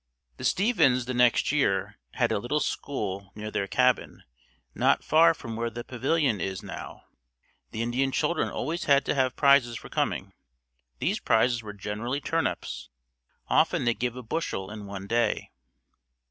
The Stevens' the next year had a little school near their cabin not far from where the pavilion is now. The Indian children always had to have prizes for coming. These prizes were generally turnips. Often they gave a bushel in one day.